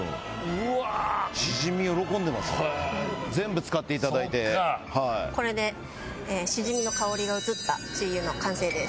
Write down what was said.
うわ全部使っていただいてこれでしじみの香りが移った鶏油の完成です